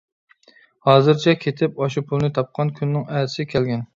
ھازىرچە كېتىپ، ئاشۇ پۇلنى تاپقان كۈننىڭ ئەتىسى كەلگىن.